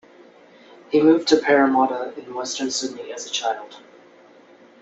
He moved to Parramatta, in western Sydney, as a child.